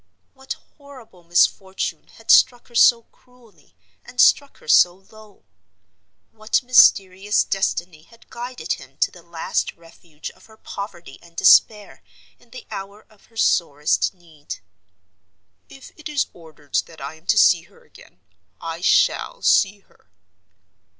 What horrible misfortune had struck her so cruelly, and struck her so low? What mysterious destiny had guided him to the last refuge of her poverty and despair, in the hour of her sorest need? "If it is ordered that I am to see her again, I shall see her."